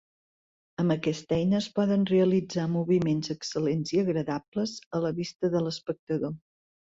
Amb aquesta eina es poden realitzar moviments excel·lents i agradables a la vista de l'espectador.